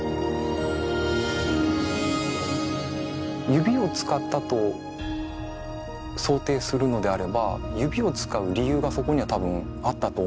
指を使ったと想定するのであれば指を使う理由がそこには多分あったと思うんですね。